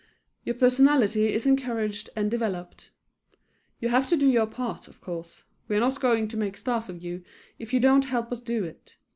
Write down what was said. Your personality is encouraged and developed. You have to do your part, of course; we are not going to make stars of you if you don't help us do it.